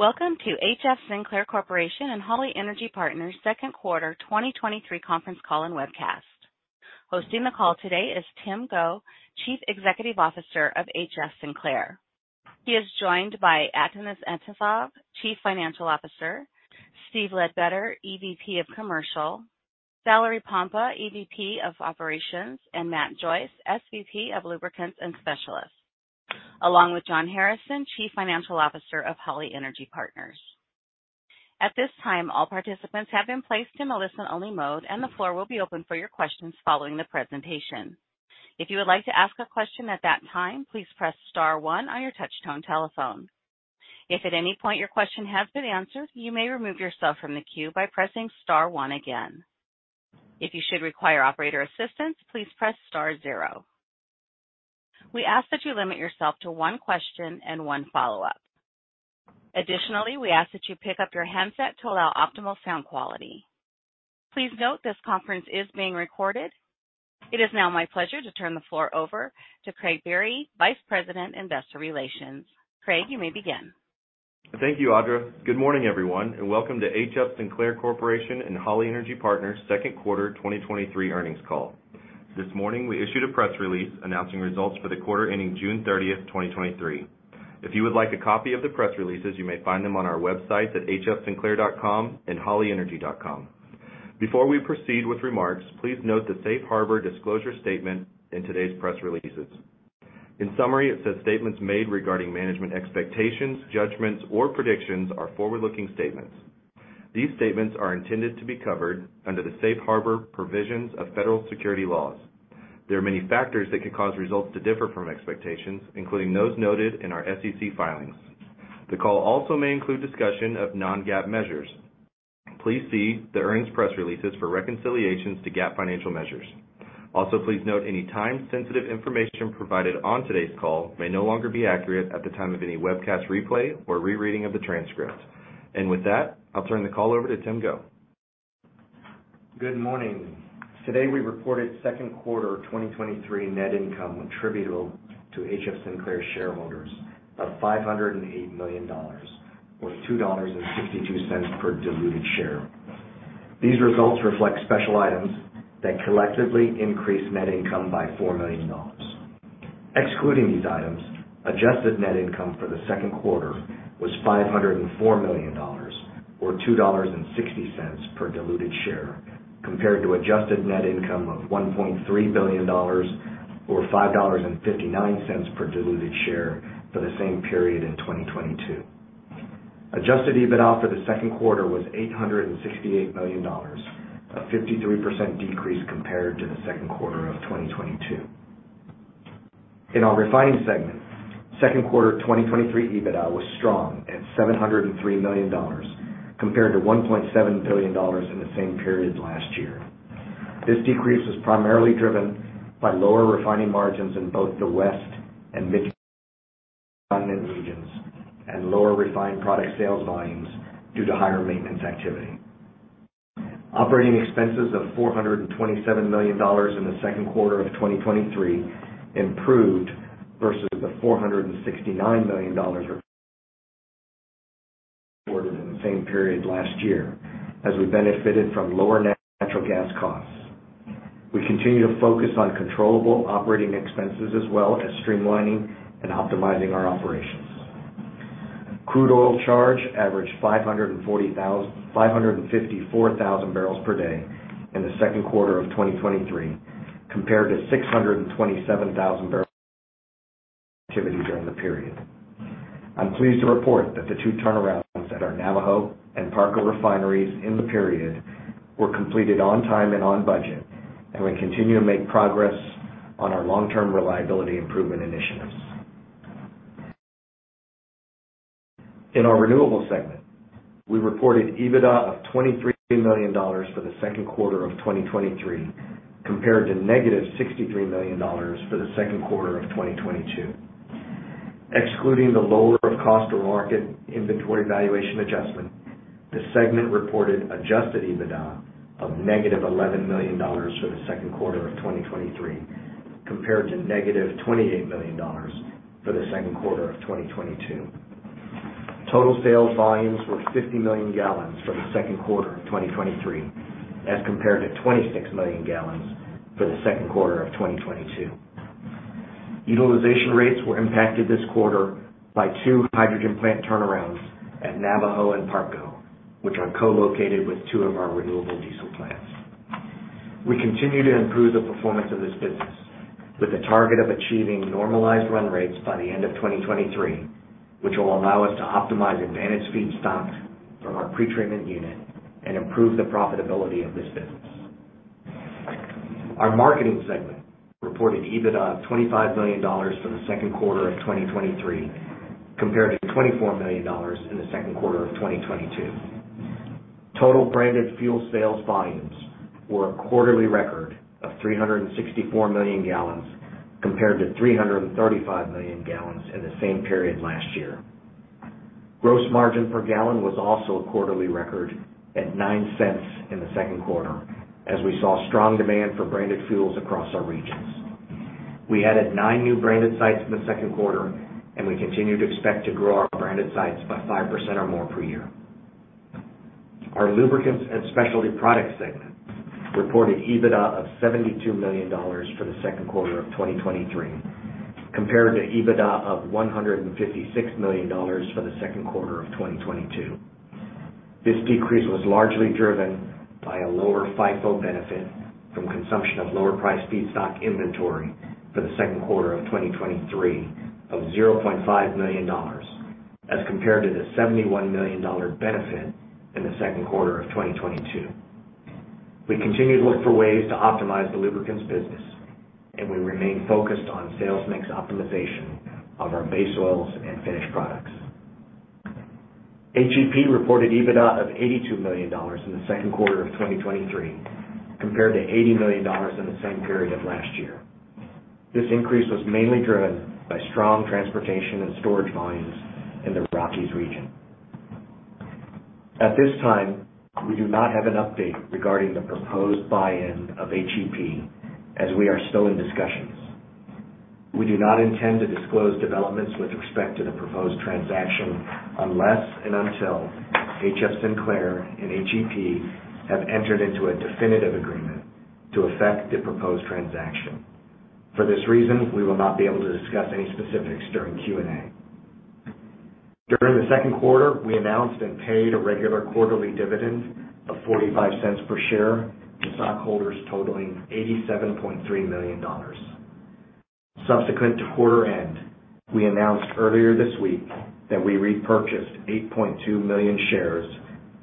Welcome to HF Sinclair Corporation and Holly Energy Partners second quarter 2023 conference call and webcast. Hosting the call today is Tim Go, Chief Executive Officer of HF Sinclair. He is joined by Atanas Atanasov, Chief Financial Officer, Steve Ledbetter, EVP of Commercial, Valerie Pompa, EVP of Operations, and Matt Joyce, SVP of Lubricants and Specialties, along with John Harrison, Chief Financial Officer of Holly Energy Partners. At this time, all participants have been placed in a listen-only mode, and the floor will be open for your questions following the presentation. If you would like to ask a question at that time, please press star one on your touchtone telephone. If at any point your question has been answered, you may remove yourself from the queue by pressing star one again. If you should require operator assistance, please press star zero. We ask that you limit yourself to one question and one follow-up. We ask that you pick up your handset to allow optimal sound quality. Please note, this conference is being recorded. It is now my pleasure to turn the floor over to Craig Berry, Vice President, Investor Relations. Craig, you may begin. Thank you, Audra. Good morning, everyone, and welcome to HF Sinclair Corporation and Holly Energy Partners second quarter 2023 earnings call. This morning, we issued a press release announcing results for the quarter ending June 30th, 2023. If you would like a copy of the press releases, you may find them on our website at hfsinclair.com and hollyenergy.com. Before we proceed with remarks, please note the Safe Harbor disclosure statement in today's press releases. In summary, it says, "Statements made regarding management expectations, judgments, or predictions are forward-looking statements. These statements are intended to be covered under the Safe Harbor Provisions of Federal Securities Laws. There are many factors that could cause results to differ from expectations, including those noted in our SEC filings." The call also may include discussion of non-GAAP measures. Please see the earnings press releases for reconciliations to GAAP financial measures. Also, please note any time-sensitive information provided on today's call may no longer be accurate at the time of any webcast replay or rereading of the transcript. With that, I'll turn the call over to Tim Go. Good morning. Today, we reported second quarter 2023 net income attributable to HF Sinclair shareholders of $508 million, or $2.62 per diluted share. These results reflect special items that collectively increased net income by $4 million. Excluding these items, adjusted net income for the second quarter was $504 million, or $2.60 per diluted share, compared to adjusted net income of $1.3 billion or $5.59 per diluted share for the same period in 2022. Adjusted EBITDA for the second quarter was $868 million, a 53% decrease compared to the second quarter of 2022. In our Refining segment, second quarter 2023 EBITDA was strong at $703 million, compared to $1.7 billion in the same period last year. This decrease was primarily driven by lower Refining margins in both the West and Midcontinent regions and lower refined product sales volumes due to higher maintenance activity. Operating expenses of $427 million in the second quarter of 2023 improved versus the $469 million reported in the same period last year, as we benefited from lower natural gas costs. We continue to focus on controllable operating expenses, as well as streamlining and optimizing our operations. Crude oil charge averaged 554,000 barrels per day in the second quarter of 2023, compared to 627,000 barrels activity during the period. I'm pleased to report that the two turnarounds at our Navajo and Parco refineries in the period were completed on time and on budget. We continue to make progress on our long-term reliability improvement initiatives. In our Renewables segment, we reported EBITDA of $23 million for the second quarter of 2023, compared to -$63 million for the second quarter of 2022. Excluding the lower cost to market inventory valuation adjustment, the segment reported adjusted EBITDA of -$11 million for the second quarter of 2023, compared to -$28 million for the second quarter of 2022. Total sales volumes were 50 million gallons for the second quarter of 2023, as compared to 26 million gallons for the second quarter of 2022. Utilization rates were impacted this quarter by two hydrogen plant turnarounds at Navajo and Parco, which are co-located with two of our renewable diesel plants. We continue to improve the performance of this business with a target of achieving normalized run rates by the end of 2023, which will allow us to optimize advantage feedstock from our pretreatment unit and improve the profitability of this business. Our Marketing segment reported EBITDA of $25 million for the second quarter of 2023, compared to $24 million in the second quarter of 2022. Total branded fuel sales volumes were a quarterly record of 364 million gallons, compared to 335 million gallons in the same period last year. Gross margin per gallon was also a quarterly record at $0.09 in the second quarter, as we saw strong demand for branded fuels across our regions. We added nine new branded sites in the second quarter. We continue to expect to grow our branded sites by 5% or more per year. Our Lubricants and Specialty Products segment reported EBITDA of $72 million for the second quarter of 2023, compared to EBITDA of $156 million for the second quarter of 2022. This decrease was largely driven by a lower FIFO benefit from consumption of lower-priced feedstock inventory for the second quarter of 2023 of $0.5 million, as compared to the $71 million benefit in the second quarter of 2022. We continue to look for ways to optimize the Lubricants business, and we remain focused on sales mix optimization of our base oils and finished products. HEP reported EBITDA of $82 million in the second quarter of 2023, compared to $80 million in the same period last year. This increase was mainly driven by strong transportation and storage volumes in the Rockies region. At this time, we do not have an update regarding the proposed buy-in of HEP, as we are still in discussions. We do not intend to disclose developments with respect to the proposed transaction unless and until HF Sinclair and HEP have entered into a definitive agreement to affect the proposed transaction. For this reason, we will not be able to discuss any specifics during Q&A. During the second quarter, we announced and paid a regular quarterly dividend of $0.45 per share to stockholders, totaling $87.3 million. Subsequent to quarter end, we announced earlier this week that we repurchased 8.2 million shares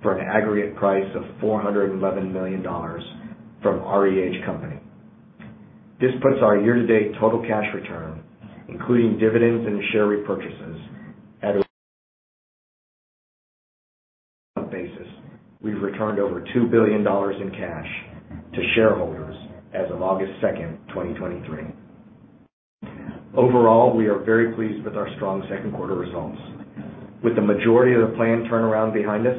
for an aggregate price of $411 million from REH Company. This puts our year-to-date total cash return, including dividends and share repurchases, at a basis. We've returned over $2 billion in cash to shareholders as of August 2, 2023. Overall, we are very pleased with our strong second quarter results. With the majority of the planned turnaround behind us,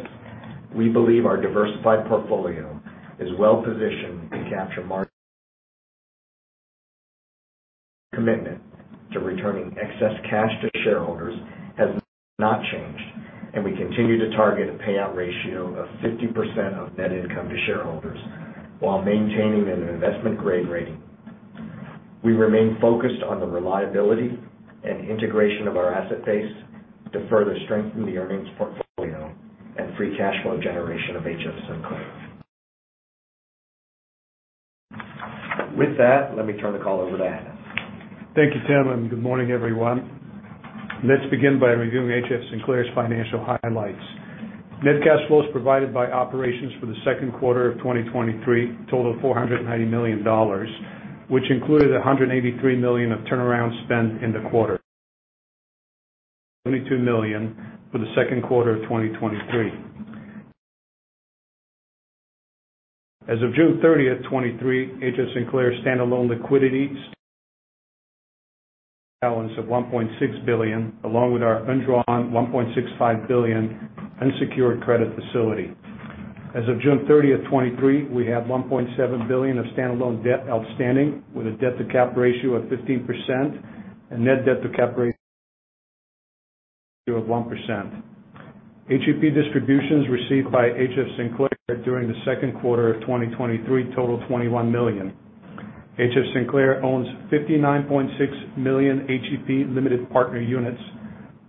we believe our diversified portfolio is well positioned to capture market. Commitment to returning excess cash to shareholders has not changed, and we continue to target a payout ratio of 50% of net income to shareholders while maintaining an investment-grade rating. We remain focused on the reliability and integration of our asset base to further strengthen the earnings portfolio and free cash flow generation of HF Sinclair. With that, let me turn the call over to Atan. Thank you, Tim, good morning, everyone. Let's begin by reviewing HF Sinclair's financial highlights. Net cash flows provided by operations for the second quarter of 2023 totaled $490 million, which included $183 million of turnaround spend in the quarter. $22 million for the second quarter of 2023. As of June thirtieth, 2023, HF Sinclair's standalone liquidity balance of $1.6 billion, along with our undrawn $1.65 billion unsecured credit facility. As of June thirtieth, 2023, we have $1.7 billion of standalone debt outstanding, with a debt-to-capital ratio of 15% and net debt-to-capital ratio of 1%. HEP distributions received by HF Sinclair during the second quarter of 2023 totaled $21 million. HF Sinclair owns $59.6 million HEP limited partner units,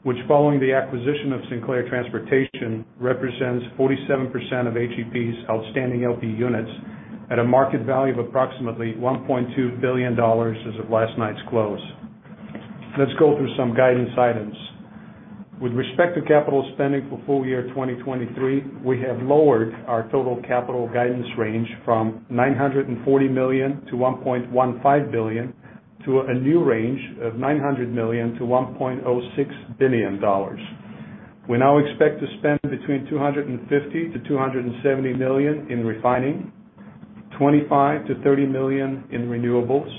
which, following the acquisition of Sinclair Transportation, represents 47% of HEP's outstanding LP units at a market value of approximately $1.2 billion as of last night's close. Let's go through some guidance items. With respect to capital spending for full year 2023, we have lowered our total capital guidance range from $940 million-$1.15 billion, to a new range of $900 million-$1.06 billion. We now expect to spend between $250 million-$270 million in Refining, $25 million-$30 million in renewables,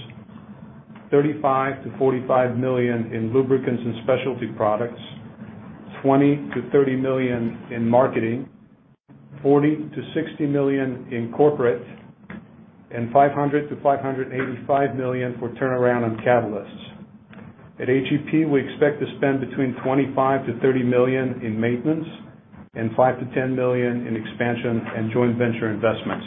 $35 million-$45 million in Lubricants and Specialty Products, $20 million-$30 million in Marketing, $40 million-$60 million in Corporate, and $500 million-$585 million for turnaround and catalysts. At HEP, we expect to spend between $25 million-$30 million in maintenance and $5 million-$10 million in expansion and joint venture investments.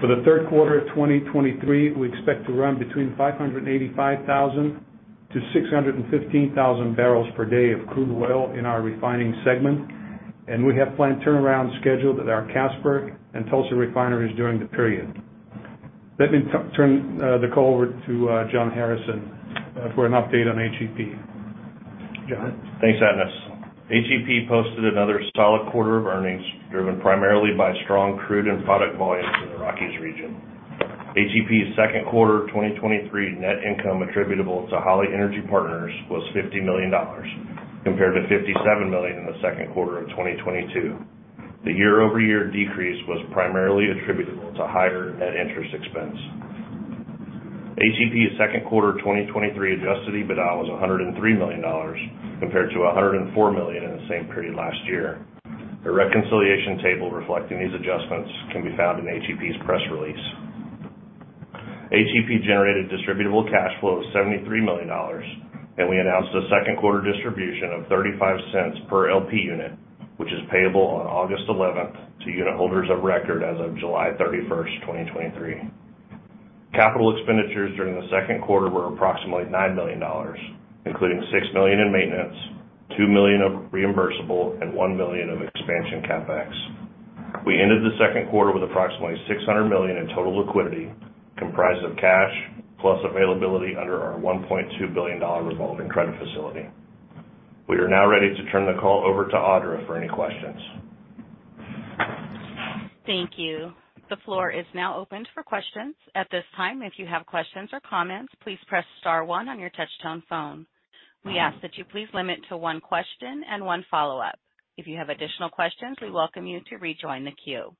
For the third quarter of 2023, we expect to run between 585,000-615,000 barrels per day of crude oil in our Refining segment, and we have planned turnarounds scheduled at our Casper and Tulsa refineries during the period. Let me turn the call over to John Harrison for an update on HEP. John? Thanks, Atanas. HEP posted another solid quarter of earnings, driven primarily by strong crude and product volumes in the Rockies region. HEP's second quarter of 2023 net income attributable to Holly Energy Partners was $50 million, compared to $57 million in the second quarter of 2022. The year-over-year decrease was primarily attributable to higher net interest expense. HEP's second quarter of 2023 adjusted EBITDA was $103 million, compared to $104 million in the same period last year. A reconciliation table reflecting these adjustments can be found in HEP's press release. HEP generated distributable cash flow of $73 million, and we announced a second quarter distribution of $0.35 per LP unit, which is payable on August 11th to unitholders of record as of July 31st, 2023. Capital expenditures during the second quarter were approximately $9 million, including $6 million in maintenance, $2 million of reimbursable, and $1 million of expansion CapEx. We ended the second quarter with approximately $600 million in total liquidity, comprised of cash, plus availability under our $1.2 billion revolving credit facility. We are now ready to turn the call over to Audra for any questions. Thank you. The floor is now open for questions. At this time, if you have questions or comments, please press star one on your touchtone phone. We ask that you please limit to one question and one follow-up. If you have additional questions, we welcome you to rejoin the queue.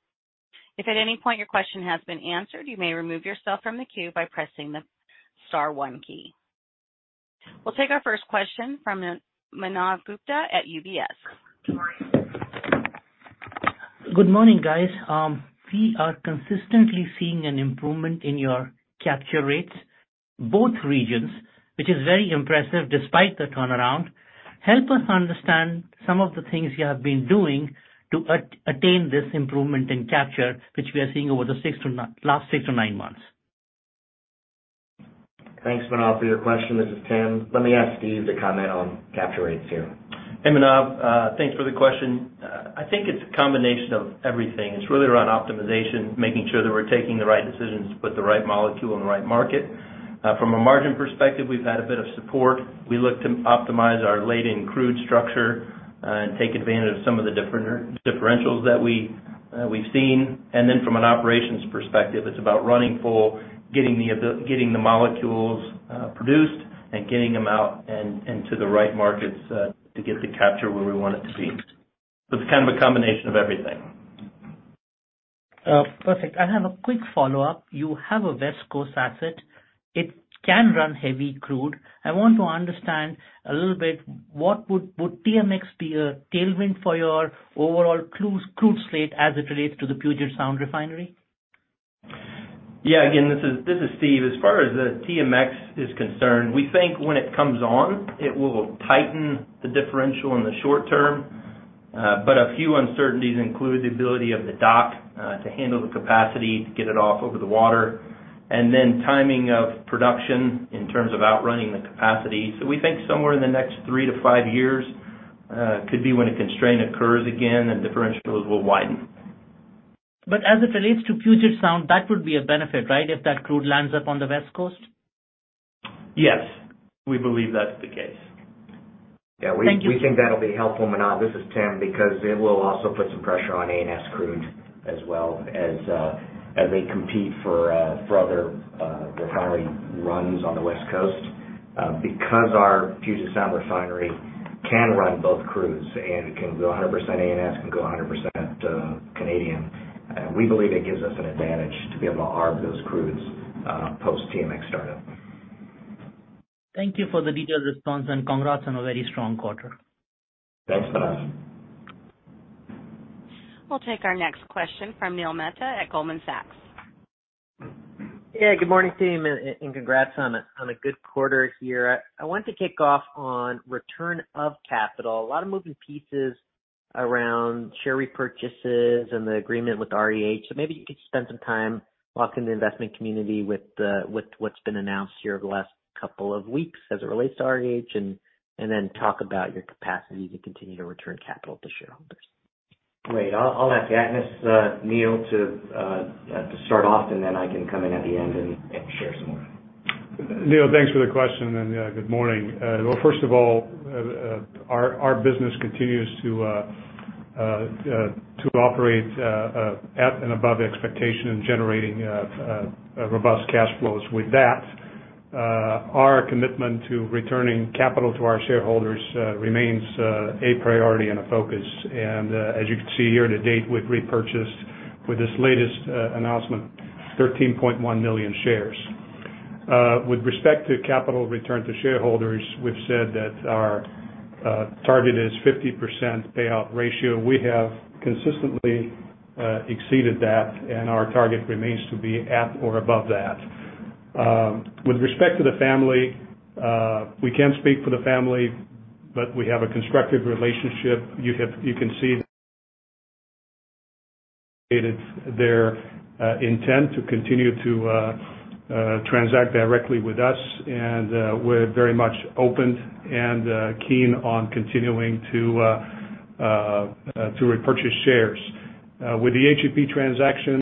If at any point your question has been answered, you may remove yourself from the queue by pressing the star one key. We'll take our first question from Manav Gupta at UBS. Good morning, guys. We are consistently seeing an improvement in your capture rates, both regions, which is very impressive despite the turnaround. Help us understand some of the things you have been doing to attain this improvement in capture, which we are seeing over the last 6 to 9 months. Thanks, Manav, for your question. This is Tim. Let me ask Steve to comment on capture rates here. Hey, Manav, thanks for the question. I think it's a combination of everything. It's really around optimization, making sure that we're taking the right decisions to put the right molecule in the right market. From a margin perspective, we've had a bit of support. We look to optimize our laid-in crude structure, and take advantage of some of the differentials that we've seen. From an operations perspective, it's about running full, getting the getting the molecules produced and getting them out and, and to the right markets to get the capture where we want it to be. It's kind of a combination of everything. Perfect. I have a quick follow-up. You have a West Coast asset. It can run heavy crude. I want to understand a little bit, what would TMX be a tailwind for your overall crude slate as it relates to the Puget Sound Refinery? Yeah, again, this is, this is Steve. As far as the TMX is concerned, we think when it comes on, it will tighten the differential in the short term, but a few uncertainties include the ability of the dock to handle the capacity to get it off over the water, and then timing of production in terms of outrunning the capacity. We think somewhere in the next 3 to 5 years could be when a constraint occurs again and differentials will widen. As it relates to Puget Sound, that would be a benefit, right? If that crude lands up on the West Coast. Yes, we believe that's the case. Yeah. Thank you. We, we think that'll be helpful, Manav, this is Tim, because it will also put some pressure on ANS crude as well as, as they compete for, for other, refinery runs on the West Coast. Because our Puget Sound Refinery can run both crudes and can go 100% ANS, can go 100% Canadian, we believe it gives us an advantage to be able to arb those crudes, post TMX startup. Thank you for the detailed response, and congrats on a very strong quarter. Thanks, Manav. We'll take our next question from Neil Mehta at Goldman Sachs. Yeah, good morning, team, and, and congrats on a, on a good quarter here. I want to kick off on return of capital. A lot of moving pieces around share repurchases and the agreement with REH. Maybe you could spend some time walking the investment community with what's been announced here over the last couple of weeks as it relates to REH, and, and then talk about your capacity to continue to return capital to shareholders. Great. I'll, I'll ask Atanas, Neil, to, to start off, and then I can come in at the end and, and share some more. Neil, thanks for the question, good morning. Well, first of all, our business continues to operate at and above expectation in generating robust cash flows. With that, our commitment to returning capital to our shareholders remains a priority and a focus. As you can see, year to date, we've repurchased, with this latest announcement, 13.1 million shares. With respect to capital return to shareholders, we've said that our target is 50% payout ratio. We have consistently exceeded that, and our target remains to be at or above that. With respect to the family, we can't speak for the family, but we have a constructive relationship. You have-- you can see their intent to continue to transact directly with us, and we're very much open and keen on continuing to repurchase shares. With the HEP transaction,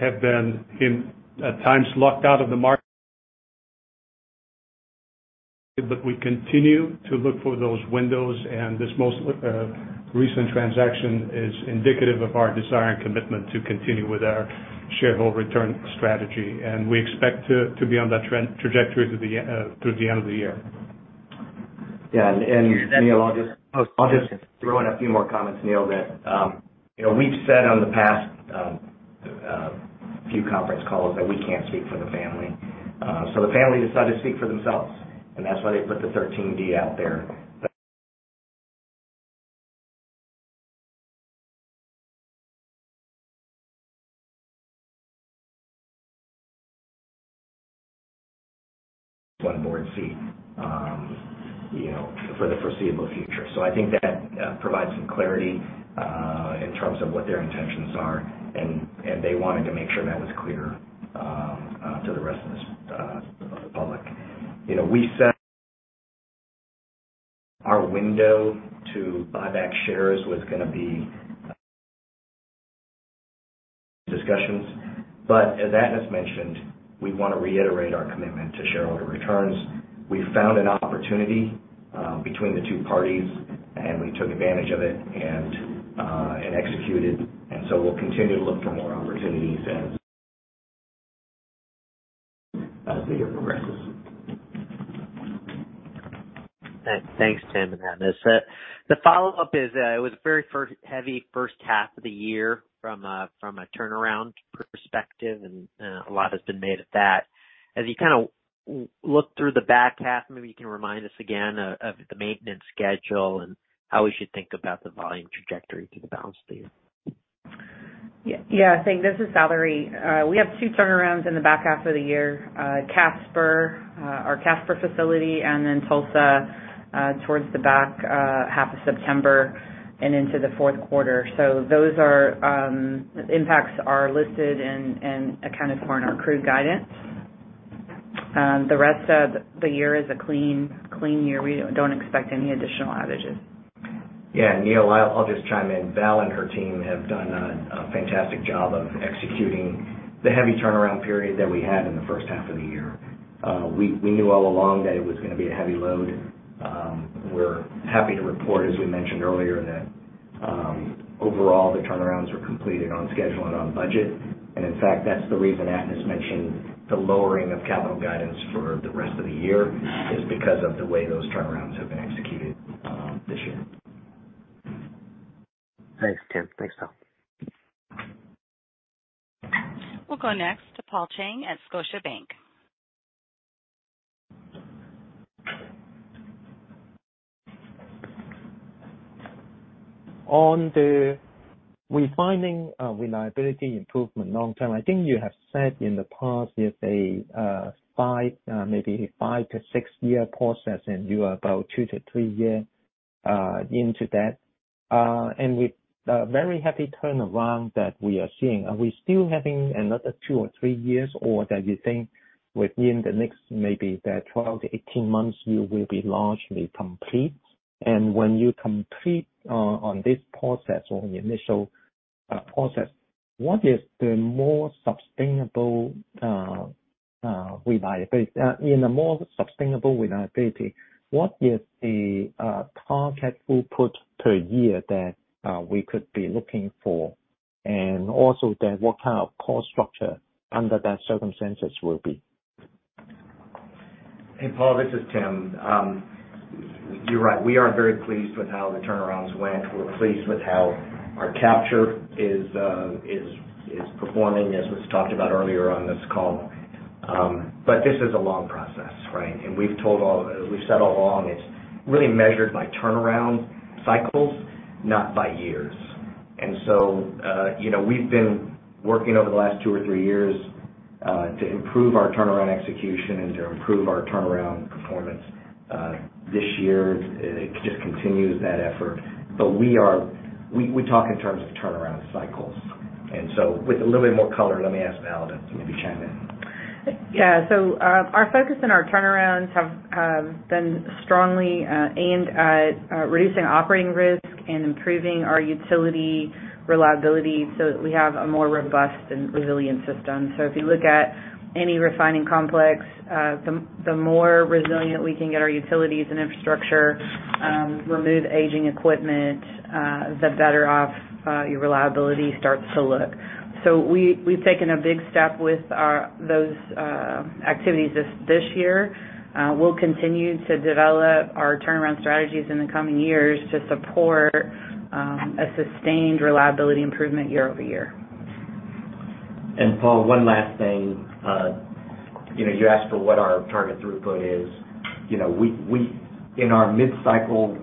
have been in, at times, locked out of the market, but we continue to look for those windows, and this most recent transaction is indicative of our desire and commitment to continue with our shareholder return strategy, and we expect to, to be on that trend- trajectory through the end, through the end of the year. Yeah, and Neil, I'll just- Oh. I'll just throw in a few more comments, Neil, that, you know, we've said on the past few conference calls that we can't speak for the family. The family decided to speak for themselves, and that's why they put the 13D out there. One board seat, you know, for the foreseeable future. I think that provides some clarity in terms of what their intentions are, and they wanted to make sure that was clear to the rest of the public. You know, we set our window to buy back shares was gonna be discussions. As Atanas mentioned, we want to reiterate our commitment to shareholder returns. We found an opportunity between the two parties, and we took advantage of it and executed. We'll continue to look for more opportunities as the year progresses. Thanks, Tim and Atanas. The follow-up is, it was a very heavy first half of the year from a turnaround perspective, and a lot has been made of that. As you kind of look through the back half, maybe you can remind us again of, of the maintenance schedule and how we should think about the volume trajectory through the balance of the year. Yeah. Yeah, thanks. This is Valerie. We have 2 turnarounds in the back half of the year. Casper, our Casper facility, and then Tulsa, towards the back, half of September and into the 4th quarter. Those are impacts are listed and accounted for in our crude guidance. The rest of the year is a clean, clean year. We don't expect any additional outages. Yeah, Neil, I'll, I'll just chime in. Val and her team have done a, a fantastic job of executing the heavy turnaround period that we had in the 1st half of the year. We, we knew all along that it was gonna be a heavy load. We're happy to report, as we mentioned earlier, that overall, the turnarounds were completed on schedule and on budget. In fact, that's the reason Atanas mentioned the lowering of capital guidance for the rest of the year, is because of the way those turnarounds have been executed, this year. Thanks, Tim. Thanks, Val. We'll go next to Paul Cheng at Scotiabank. On Refining, reliability improvement long term, I think you have said in the past, it's a, 5, maybe 5-6-year process, and you are about 2-3 year, into that. With a very happy turnaround that we are seeing, are we still having another 2 or 3 years? That you think within the next, maybe the 12-18 months, you will be largely complete. When you complete, on this process or the initial, process, what is the more sustainable, reliability? In a more sustainable reliability, what is the, target output per year that, we could be looking for? Also then, what kind of cost structure under that circumstances will be? Hey, Paul, this is Tim. You're right. We are very pleased with how the turnarounds went. We're pleased with how our capture is, is, is performing, as was talked about earlier on this call. But this is a long process, right? We've told all-- we've said all along, it's really measured by turnaround cycles, not by years. So, you know, we've been working over the last 2 or 3 years to improve our turnaround execution and to improve our turnaround performance this year. It just continues that effort. We are-- we, we talk in terms of turnaround cycles. So with a little bit more color, let me ask Val to maybe chime in. Yeah. Our focus and our turnarounds have been strongly aimed at reducing operating risk and improving our utility reliability, so that we have a more robust and resilient system. If you look at any Refining complex, the more resilient we can get our utilities and infrastructure, remove aging equipment, the better off your reliability starts to look. We've taken a big step with those activities this year. We'll continue to develop our turnaround strategies in the coming years to support a sustained reliability improvement year-over-year. Paul, one last thing. You know, you asked for what our target throughput is. You know, we in our mid-cycle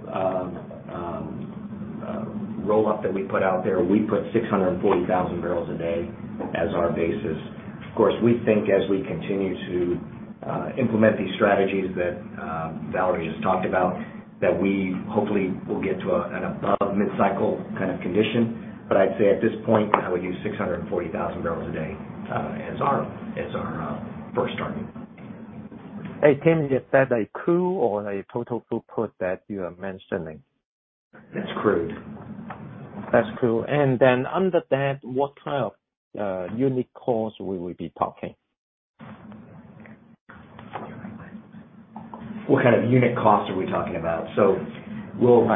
roll-up that we put out there, we put 640,000 barrels a day as our basis. Of course, we think as we continue to implement these strategies that Valerie just talked about, that we hopefully will get to an above mid-cycle kind of condition. I'd say at this point, I would use 640,000 barrels a day as our, as our first target. Hey, Tim, is that a crude or a total throughput that you are mentioning? It's crude. That's crude. Then under that, what kind of unit cost we will be talking? What kind of unit costs are we talking about? We'll,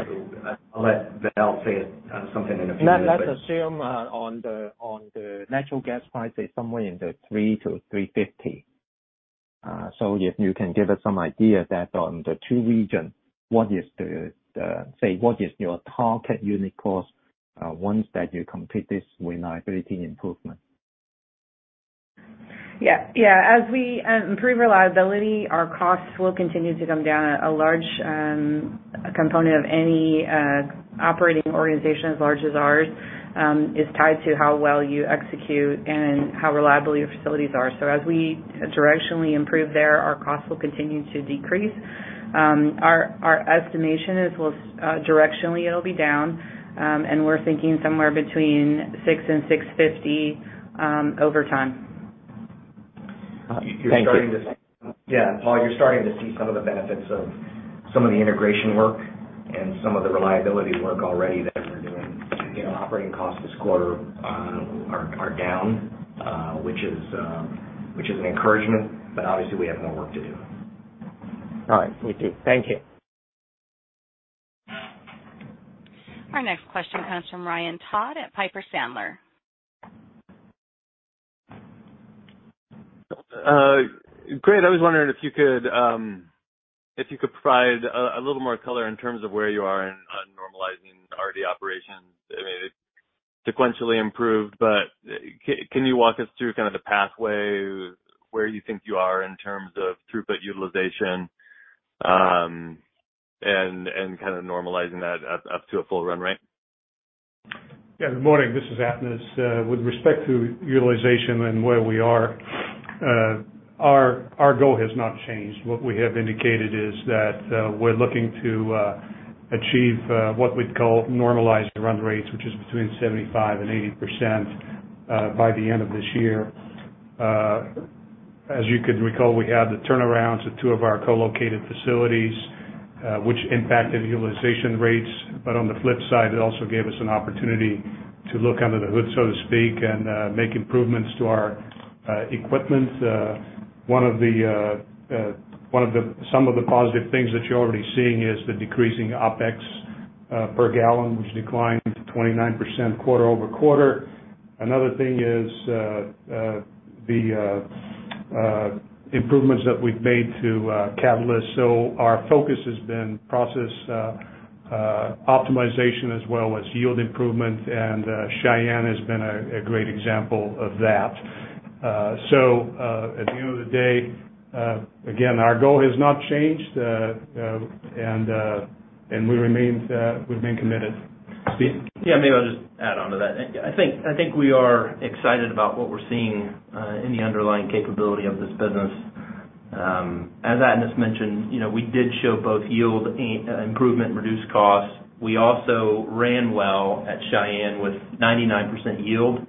I'll let Val say something in a few minutes. Let's assume, on the natural gas prices, somewhere in the $3-$3.50. If you can give us some idea that on the two region, what is the, the, what is your target unit cost, once that you complete this reliability improvement? Yeah. Yeah, as we improve reliability, our costs will continue to come down. A, a large component of any operating organization as large as ours is tied to how well you execute and how reliable your facilities are. As we directionally improve there, our costs will continue to decrease. Our, our estimation is, well, directionally it'll be down, and we're thinking somewhere between $6-$6.50 over time. Thank you. You're starting to- Yeah, Paul, you're starting to see some of the benefits of some of the integration work and some of the reliability work already that we're doing. You know, operating costs this quarter, are, are down, which is, which is an encouragement, but obviously we have more work to do. All right. Me too. Thank you. Our next question comes from Ryan Todd at Piper Sandler. Great. I was wondering if you could, if you could provide a little more color in terms of where you are in on normalizing RD operations. I mean, it sequentially improved. Can you walk us through kind of the pathway, where you think you are in terms of throughput utilization, and kind of normalizing that up to a full run rate? Yeah. Good morning, this is Atanas. With respect to utilization and where we are, our, our goal has not changed. What we have indicated is that, we're looking to achieve what we'd call normalized run rates, which is between 75% and 80%, by the end of this year. As you could recall, we had the turnarounds at 2 of our co-located facilities, which impacted utilization rates. But on the flip side, it also gave us an opportunity to look under the hood, so to speak, and make improvements to our equipment. One of the, some of the positive things that you're already seeing is the decreasing OpEx per gallon, which declined to 29% quarter-over-quarter. Another thing is, the improvements that we've made to catalyst. Our focus has been process optimization as well as yield improvement, and Cheyenne has been a great example of that. At the end of the day, again, our goal has not changed. We remain, we remain committed. Steve? Yeah, maybe I'll just add on to that. I think, I think we are excited about what we're seeing in the underlying capability of this business. As Atanas mentioned, you know, we did show both yield and improvement and reduced costs. We also ran well at Cheyenne, with 99% yield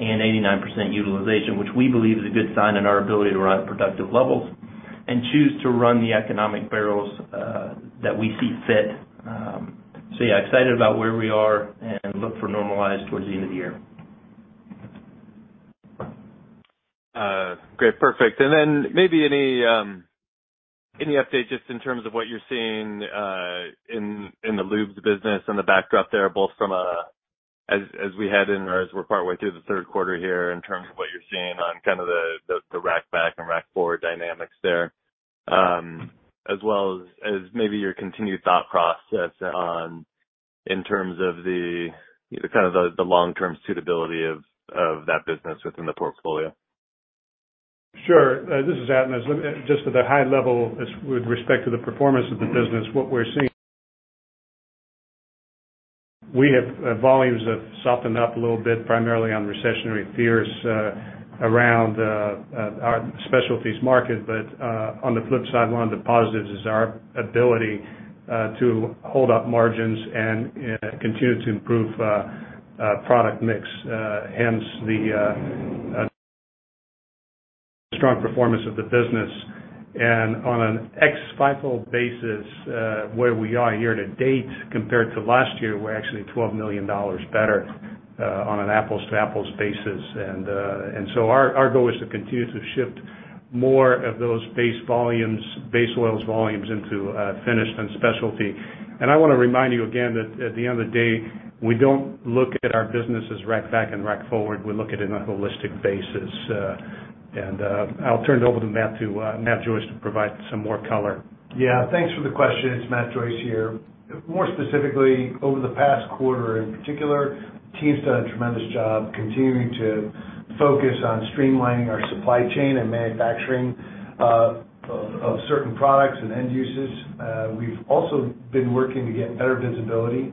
and 89% utilization, which we believe is a good sign in our ability to run at productive levels and choose to run the economic barrels that we see fit. Yeah, excited about where we are and look for normalized towards the end of the year. Great, perfect. Maybe any, any update just in terms of what you're seeing, in, in the Lubes business and the backdrop there, both from a -- as, as we head in or as we're partway through the third quarter here, in terms of what you're seeing on kind of the, the rack back and rack forward dynamics there. As well as, as maybe your continued thought process on, in terms of the, kind of the, the long-term suitability of, of that business within the portfolio. Sure. This is Atanas. Just at the high level, as with respect to the performance of the business, what we're seeing, we have, volumes have softened up a little bit, primarily on recessionary fears, around, our specialties market. On the flip side, one of the positives is our ability, to hold up margins and, continue to improve, product mix, hence the, strong performance of the business. On an ex-FIFO basis, where we are year to date, compared to last year, we're actually $12 million better, on an apples-to-apples basis. Our goal is to continue to shift more of those base volumes, base oils volumes into, finished and specialty. I wanna remind you again that at the end of the day, we don't look at our business as rack back and rack forward, we look at it on a holistic basis. I'll turn it over to Matt to Matt Joyce to provide some more color. Yeah, thanks for the question. It's Matt Joyce here. More specifically, over the past quarter in particular, the team's done a tremendous job continuing to focus on streamlining our supply chain and manufacturing of, of certain products and end uses. We've also been working to get better visibility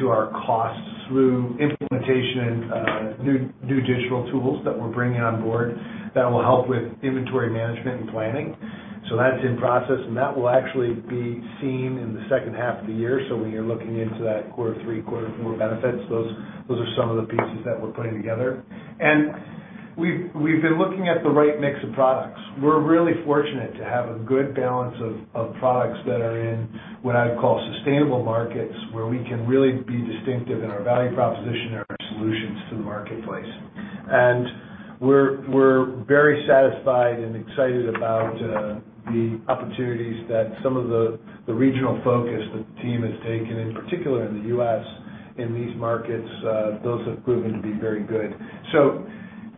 to our costs through implementation of new, new digital tools that we're bringing on board that will help with inventory management and planning. That's in process, and that will actually be seen in the second half of the year. When you're looking into that quarter three, quarter four benefits, those, those are some of the pieces that we're putting together. We've, we've been looking at the right mix of products. We're really fortunate to have a good balance of, of products that are in what I'd call sustainable markets, where we can really be distinctive in our value proposition and our solutions to the marketplace. We're, we're very satisfied and excited about. the opportunities that some of the, the regional focus the team has taken, in particular in the U.S. in these markets, those have proven to be very good.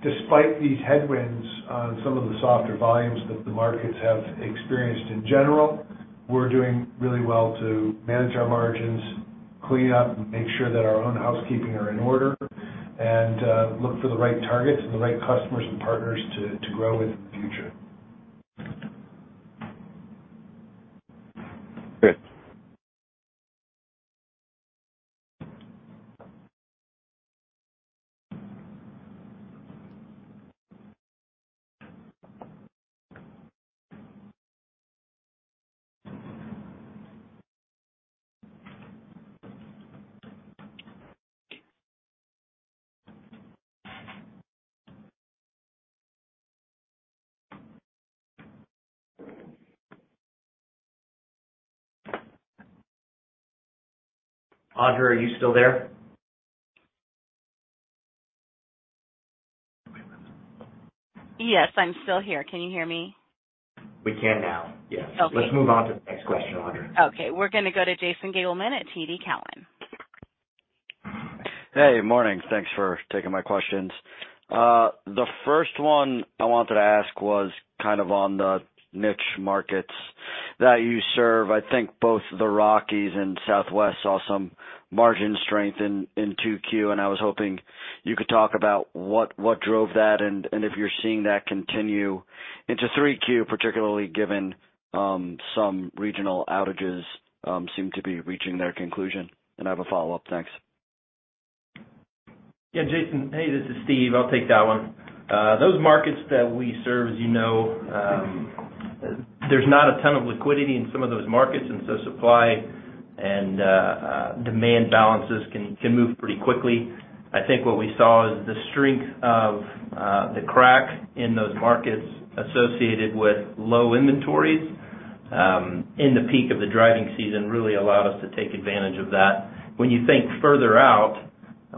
Despite these headwinds on some of the softer volumes that the markets have experienced in general, we're doing really well to manage our margins, clean up, and make sure that our own housekeeping are in order, and, look for the right targets and the right customers and partners to, to grow with in the future. Great. Audra, are you still there? Yes, I'm still here. Can you hear me? We can now, yes. Okay. Let's move on to the next question, Audra. Okay, we're gonna go to Jason Gabelman at TD Cowen. Hey, morning. Thanks for taking my questions. The first one I wanted to ask was kind of on the niche markets that you serve. I think both the Rockies and Southwest saw some margin strength in 2Q, and I was hoping you could talk about what, what drove that and, and if you're seeing that continue into 3Q, particularly given some regional outages seem to be reaching their conclusion. I have a follow-up. Thanks. Yeah, Jason. Hey, this is Steve. I'll take that one. Those markets that we serve, as you know, there's not a ton of liquidity in some of those markets, and so supply and demand balances can, can move pretty quickly. I think what we saw is the strength of the crack in those markets associated with low inventories, in the peak of the driving season, really allowed us to take advantage of that. When you think further out,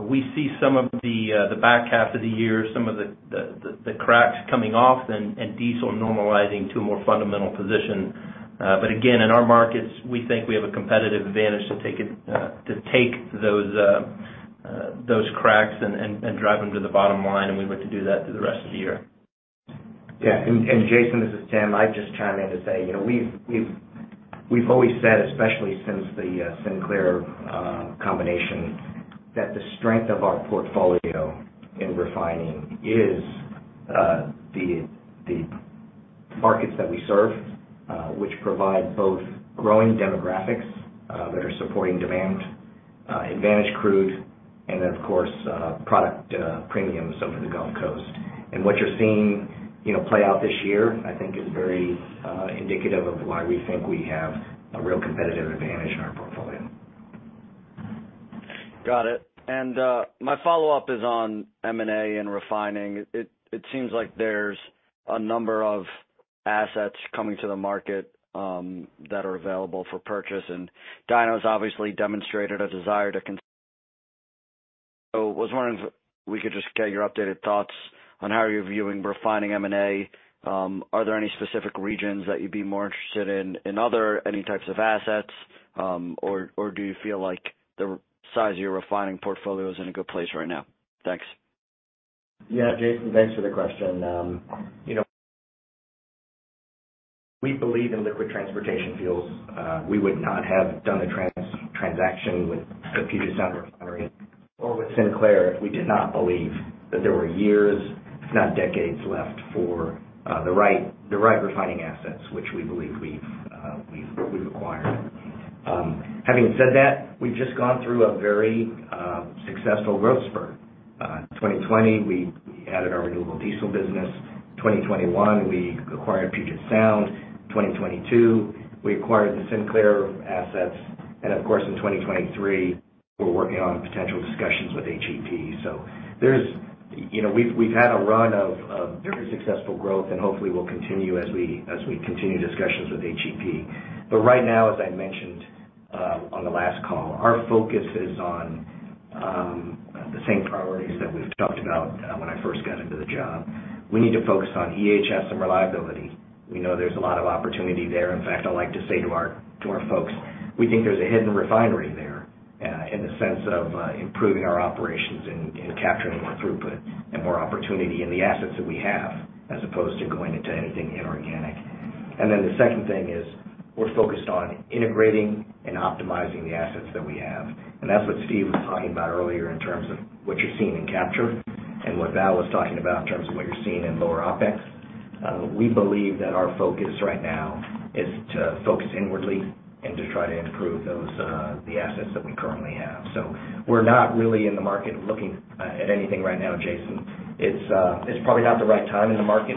we see some of the back half of the year, some of the, the, the cracks coming off and, and diesel normalizing to a more fundamental position. Again, in our markets, we think we have a competitive advantage to take it to take those those cracks and, and, drive them to the bottom line, and we look to do that through the rest of the year. Yeah. Jason, this is Tim. I'd just chime in to say, you know, we've, we've, we've always said, especially since the Sinclair combination, that the strength of our portfolio in Refining is the, the markets that we serve, which provide both growing demographics that are supporting demand, advantage crude, and then, of course, product, premiums over the Gulf Coast. What you're seeing, you know, play out this year, I think is very indicative of why we think we have a real competitive advantage in our portfolio. Got it. My follow-up is on M&A and Refining. It seems like there's a number of assets coming to the market that are available for purchase, and DINO's obviously demonstrated a desire to So I was wondering if we could just get your updated thoughts on how you're viewing Refining M&A. Are there any specific regions that you'd be more interested in, in other, any types of assets? Do you feel like the size of your Refining portfolio is in a good place right now? Thanks. Yeah, Jason, thanks for the question. You know, we believe in liquid transportation fuels. We would not have done the transaction with the Puget Sound Refinery or with Sinclair if we did not believe that there were years, if not decades, left for the right, the right Refining assets, which we believe we've, we've, we've acquired. Having said that, we've just gone through a very successful growth spurt. In 2020, we added our Renewable Diesel business. In 2021, we acquired Puget Sound. In 2022, we acquired the Sinclair assets. Of course, in 2023, we're working on potential discussions with HEP. You know, we've, we've had a run of very successful growth, and hopefully we'll continue as we, as we continue discussions with HEP. Right now, as I mentioned, on the last call, our focus is on the same priorities that we've talked about when I first got into the job. We need to focus on EHS and reliability. We know there's a lot of opportunity there. In fact, I like to say to our, to our folks, we think there's a hidden refinery there, in the sense of improving our operations and, and capturing more throughput and more opportunity in the assets that we have, as opposed to going into anything inorganic. Then the second thing is, we're focused on integrating and optimizing the assets that we have. That's what Steve was talking about earlier in terms of what you're seeing in capture and what Val was talking about in terms of what you're seeing in lower OpEx. We believe that our focus right now is to focus inwardly and to try to improve those, the assets that we currently have. We're not really in the market looking at anything right now, Jason. It's, it's probably not the right time in the market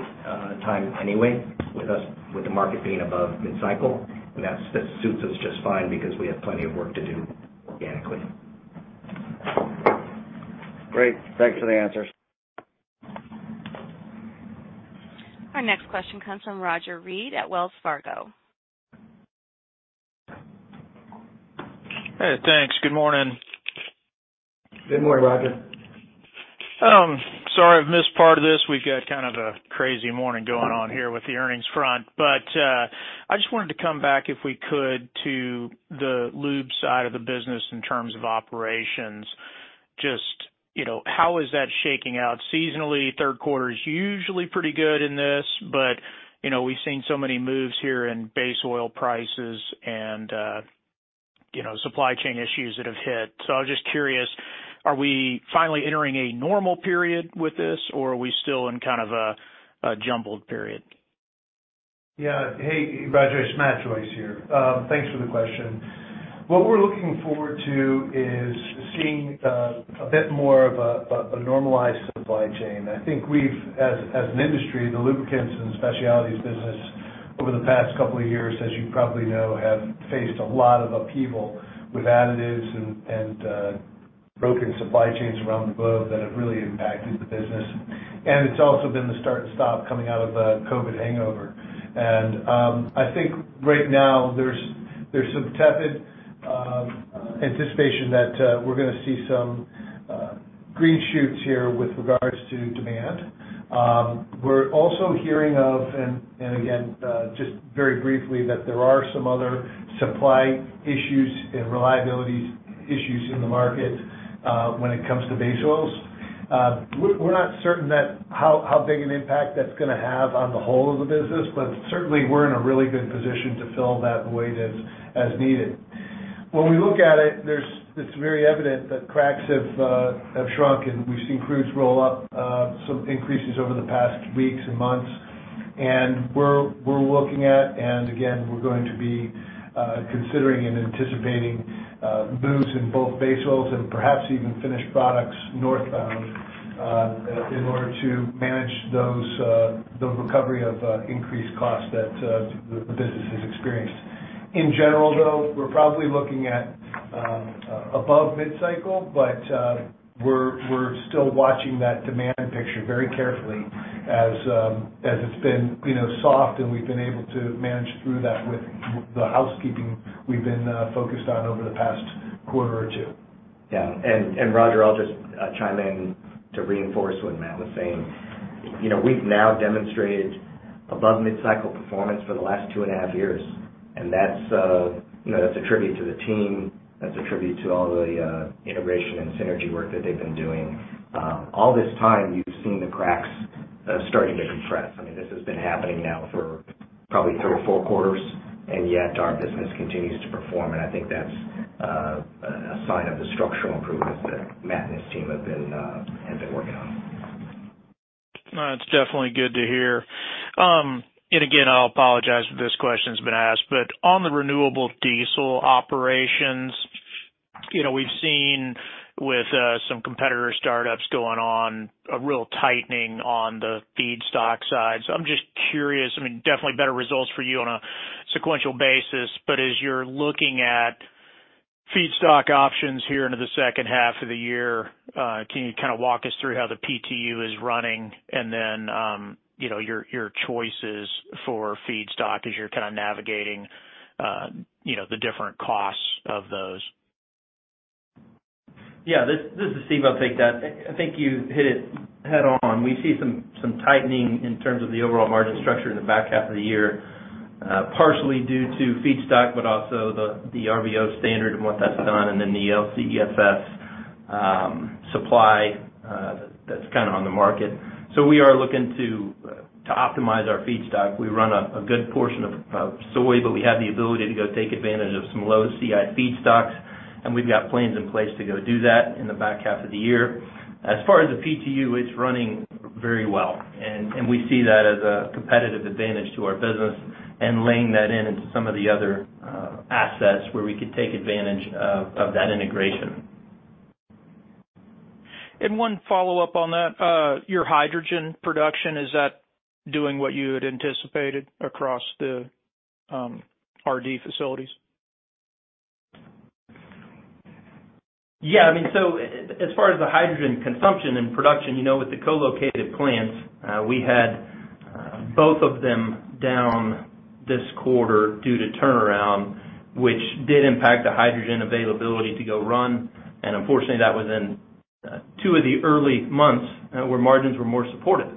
time anyway, with the market being above mid-cycle, and that suits us just fine because we have plenty of work to do organically. Great. Thanks for the answers. Our next question comes from Roger Read at Wells Fargo. Hey, thanks. Good morning. Good morning, Roger. Sorry, I've missed part of this. We've got kind of a crazy morning going on here with the earnings front. I just wanted to come back, if we could, to the lube side of the business in terms of operations. Just, you know, how is that shaking out? Seasonally, third quarter is usually pretty good in this, but, you know, we've seen so many moves here in base oil prices and, you know, supply chain issues that have hit. I was just curious, are we finally entering a normal period with this, or are we still in kind of a, a jumbled period? Yeah. Hey, Roger, it's Matt Joyce here. Thanks for the question. What we're looking forward to is seeing a bit more of a, a, a normalized supply chain. I think we've, as an industry, the Lubricants and Specialties business over the past couple of years, as you probably know, have faced a lot of upheaval with additives and broken supply chains around the globe that have really impacted the business. It's also been the start and stop coming out of a COVID hangover. I think right now there's, there's some tepid anticipation that we're gonna see some green shoots here with regards to demand. We're also hearing of, and again, just very briefly, that there are some other supply issues and reliability issues in the market when it comes to base oils. We're, we're not certain how, how big an impact that's gonna have on the whole of the business, but certainly we're in a really good position to fill that void as, as needed. When we look at it, there's-- it's very evident that cracks have, have shrunk, and we've seen crudes roll up, some increases over the past weeks and months. We're, we're looking at, and again, we're going to be, considering and anticipating, boosts in both base oils and perhaps even finished products northbound, in order to manage those, the recovery of, increased costs that, the business has experienced. In general, though, we're probably looking at above mid-cycle, but we're, we're still watching that demand picture very carefully as, as it's been, you know, soft, and we've been able to manage through that with the housekeeping we've been focused on over the past quarter or 2. Yeah. Roger, I'll just chime in to reinforce what Matt was saying. You know, we've now demonstrated above mid-cycle performance for the last 2.5 years, and that's, you know, that's a tribute to the team. That's a tribute to all the integration and synergy work that they've been doing. All this time, we've seen the cracks starting to compress. I mean, this has been happening now for probably 3 or 4 quarters, and yet our business continues to perform, and I think that's a sign of the structural improvements that Matt and his team have been working on. No, it's definitely good to hear. Again, I'll apologize if this question's been asked, but on the renewable diesel operations, you know, we've seen with some competitor startups going on, a real tightening on the feedstock side. I'm just curious, I mean, definitely better results for you on a sequential basis, but as you're looking at feedstock options here into the second half of the year, can you kind of walk us through how the PTU is running and then, you know, your, your choices for feedstock as you're kind of navigating, you know, the different costs of those? Yeah. This, this is Steve. I'll take that. I, I think you hit it head on. We see some, some tightening in terms of the overall margin structure in the back half of the year, partially due to feedstock, but also the, the RVO standard and what that's done, and then the LCFS supply that's kind of on the market. We are looking to, to optimize our feedstock. We run a, a good portion of, of soy, but we have the ability to go take advantage of some low CI feedstocks, and we've got plans in place to go do that in the back half of the year. As far as the PTU, it's running very well, and, and we see that as a competitive advantage to our business and laying that in into some of the other assets where we could take advantage of, of that integration. One follow-up on that, your hydrogen production, is that doing what you had anticipated across the RD facilities? I mean, as far as the hydrogen consumption and production, you know, with the co-located plants, we had both of them down this quarter due to turnaround, which did impact the hydrogen availability to go run, and unfortunately, that was in 2 of the early months, where margins were more supportive.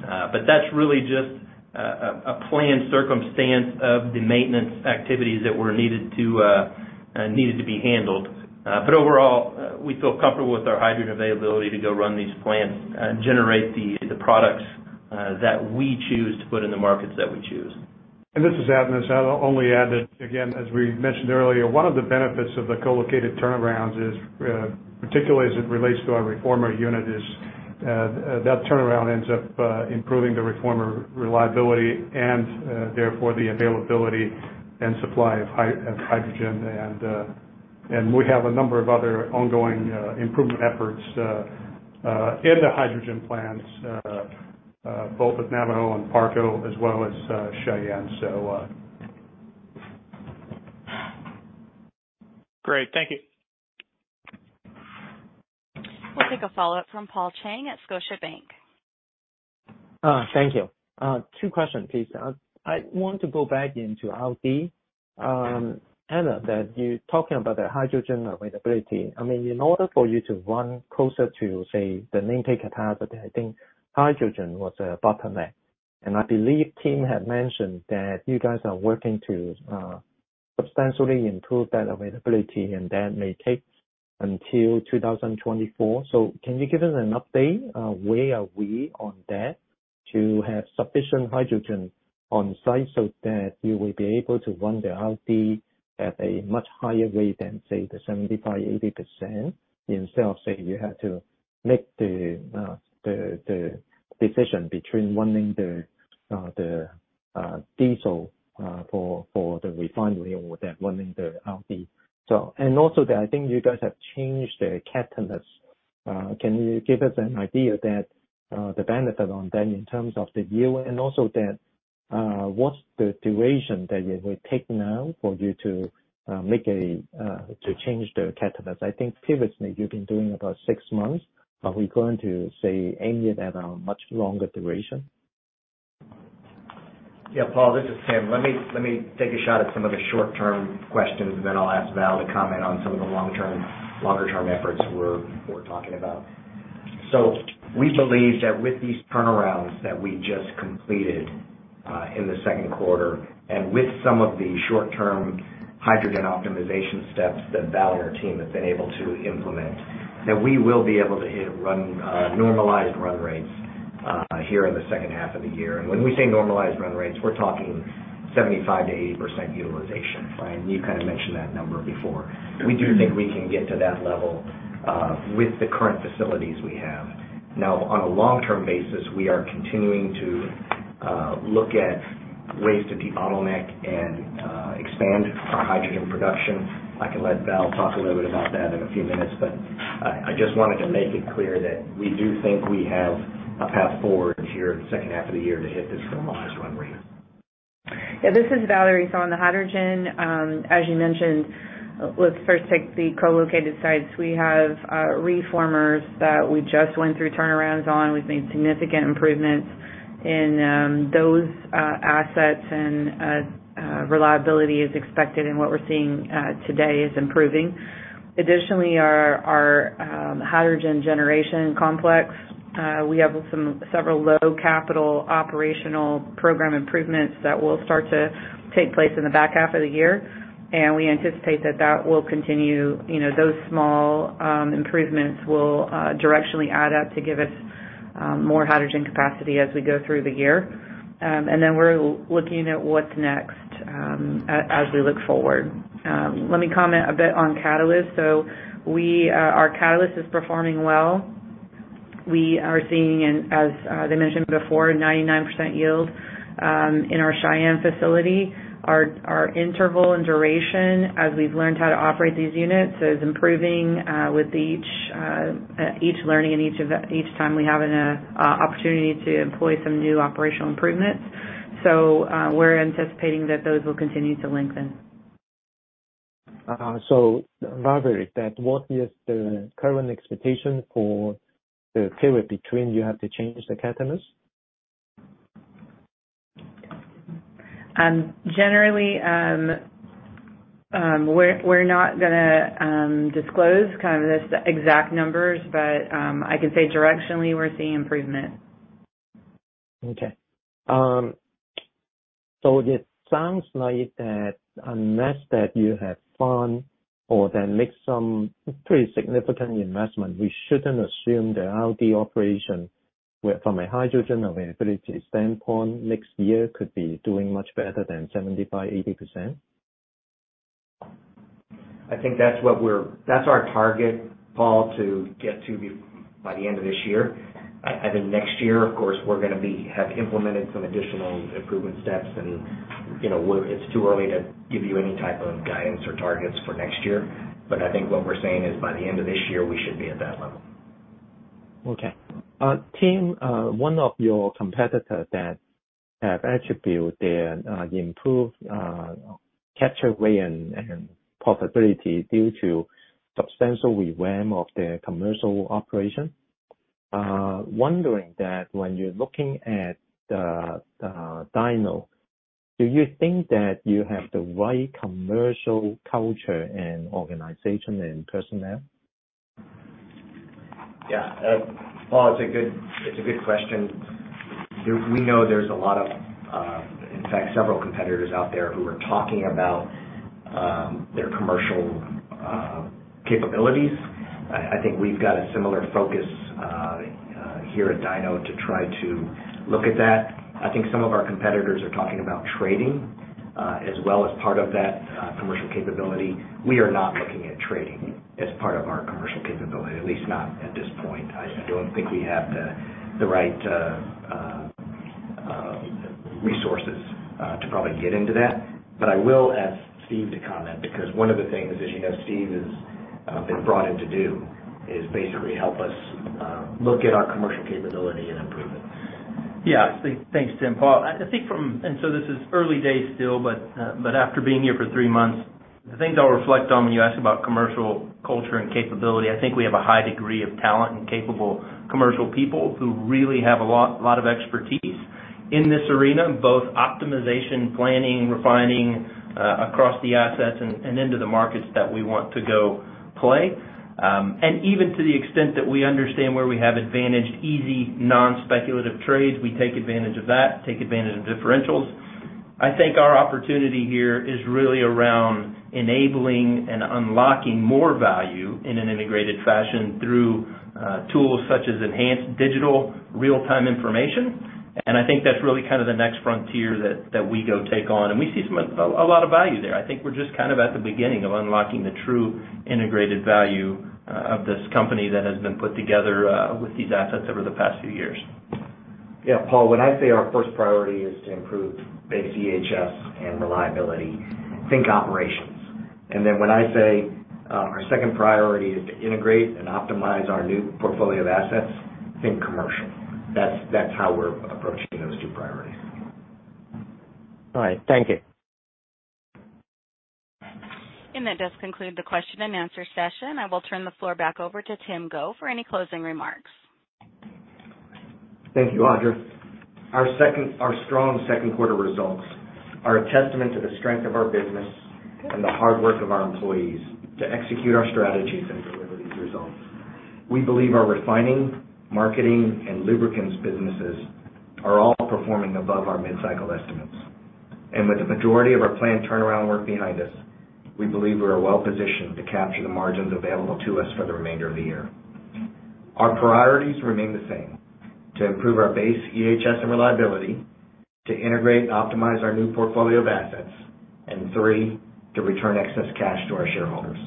That's really just a planned circumstance of the maintenance activities that were needed to be handled. Overall, we feel comfortable with our hydrogen availability to go run these plants and generate the products that we choose to put in the markets that we choose. This is Atanas. I'll only add that, again, as we mentioned earlier, one of the benefits of the co-located turnarounds is, particularly as it relates to our reformer unit, that turnaround ends up improving the reformer reliability and, therefore, the availability and supply of hydrogen. We have a number of other ongoing improvement efforts in the hydrogen plants, both with Navajo and Parco, as well as Cheyenne. Great. Thank you. We'll take a follow-up from Paul Cheng at Scotiabank. Thank you. 2 questions, please. I want to go back into RD. Anna, that you talking about the hydrogen availability. I mean, in order for you to run closer to, say, the name take capacity, I think hydrogen was a bottleneck. I believe Tim had mentioned that you guys are working to substantially improve that availability, and that may take until 2024. Can you give us an update? Where are we on that, to have sufficient hydrogen on site so that you will be able to run the RD at a much higher rate than, say, the 75%-80%, instead of saying you have to make the, the decision between running the, the diesel, for, for the refinery or that running the RD? Also, I think you guys have changed the catalyst. Can you give us an idea that the benefit on them in terms of the yield, and also that what's the duration that it will take now for you to make a to change the catalyst? I think previously you've been doing about 6 months. Are we going to aim it at a much longer duration? Yeah, Paul, this is Tim. Let me, let me take a shot at some of the short-term questions, and then I'll ask Val to comment on some of the long-term, longer-term efforts we're, we're talking about. We believe that with these turnarounds that we just completed in the second quarter, and with some of the short-term hydrogen optimization steps that Val and her team have been able to implement, that we will be able to hit run, normalized run rates here in the second half of the year. When we say normalized run rates, we're talking 75%-80% utilization, right? You kind of mentioned that number before. We do think we can get to that level with the current facilities we have. On a long-term basis, we are continuing to look at ways to de-bottleneck and expand our hydrogen production. I can let Val talk a little bit about that in a few minutes. I, I just wanted to make it clear that we do think we have a path forward here in the second half of the year to hit this normalized run rate. Yeah, this is Valerie. On the hydrogen, as you mentioned, let's first take the co-located sites. We have reformers that we just went through turnarounds on. We've made significant improvements in those assets, and reliability is expected, and what we're seeing today is improving. Additionally, our hydrogen generation complex, we have some several low capital operational program improvements that will start to take place in the back half of the year, and we anticipate that that will continue. You know, those small improvements will directionally add up to give us more hydrogen capacity as we go through the year. And then we're looking at what's next as we look forward. Let me comment a bit on catalyst. We, our catalyst is performing well. We are seeing, and as they mentioned before, 99% yield in our Cheyenne facility. Our interval and duration, as we've learned how to operate these units, is improving with each learning and each time we have an opportunity to employ some new operational improvements. We're anticipating that those will continue to lengthen. Valerie, that what is the current expectation for the period between you have to change the catalyst? Generally, we're not gonna disclose kind of the exact numbers, but I can say directionally, we're seeing improvement. So it sounds like that unless that you have found or then make some pretty significant investment, we shouldn't assume the RD operation, where from a hydrogen availability standpoint, next year could be doing much better than 75%-80%? I think that's what That's our target, Paul, to get to be by the end of this year. I think next year, of course, we're gonna be, have implemented some additional improvement steps and, you know, it's too early to give you any type of guidance or targets for next year, but I think what we're saying is, by the end of this year, we should be at that level. Okay. Tim, one of your competitors that have attributed their improved capture rate and profitability due to substantial revamp of their commercial operation. Wondering that when you're looking at the DINO, do you think that you have the right commercial culture and organization and personnel? Yeah. Paul, it's a good, it's a good question. There, we know there's a lot of, in fact, several competitors out there who are talking about their commercial capabilities. I, I think we've got a similar focus here at DINO to try to look at that. I think some of our competitors are talking about trading as well as part of that commercial capability. We are not looking at trading as part of our commercial capability, at least not at this point. I, I don't think we have the right resources to probably get into that. I will ask Steve to comment, because one of the things, as you know, Steve is been brought in to do, is basically help us look at our commercial capability and improve it. Yeah, thanks, Tim. Paul, I, I think this is early days still, but after being here for 3 months, the things I'll reflect on when you ask about commercial culture and capability, I think we have a high degree of talent and capable commercial people who really have a lot, lot of expertise in this arena, both optimization, planning, refining, across the assets and into the markets that we want to go play. Even to the extent that we understand where we have advantaged, easy, non-speculative trades, we take advantage of that, take advantage of differentials. I think our opportunity here is really around enabling and unlocking more value in an integrated fashion through tools such as enhanced digital real-time information. I think that's really kind of the next frontier that, that we go take on, and we see a lot of value there. I think we're just kind of at the beginning of unlocking the true integrated value of this company that has been put together with these assets over the past few years. Yeah, Paul, when I say our first priority is to improve base EHS and reliability, think operations. Then when I say, our second priority is to integrate and optimize our new portfolio of assets, think commercial. That's, that's how we're approaching those two priorities. All right. Thank you. That does conclude the question-and-answer session. I will turn the floor back over to Tim Go for any closing remarks. Thank you, Audra. Our strong second quarter results are a testament to the strength of our business and the hard work of our employees to execute our strategies and deliver these results. We believe our Refining, Marketing, and Lubricants businesses are all performing above our mid-cycle estimates. With the majority of our planned turnaround work behind us, we believe we are well positioned to capture the margins available to us for the remainder of the year. Our priorities remain the same, to improve our base EHS and reliability, to integrate and optimize our new portfolio of assets, and three, to return excess cash to our shareholders.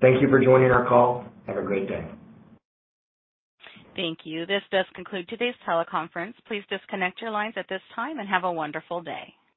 Thank you for joining our call. Have a great day. Thank you. This does conclude today's teleconference. Please disconnect your lines at this time and have a wonderful day.